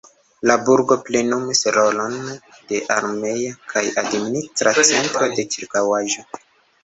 La burgo plenumis rolon de armea kaj administra centro de ĉirkaŭaĵo.